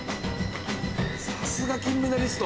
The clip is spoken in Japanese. さすが金メダリスト。